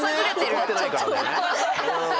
怒ってないからね。